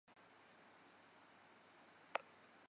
新埤里是中华民国台湾嘉义县太保市辖下的行政区。